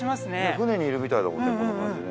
船にいるみたいだもんね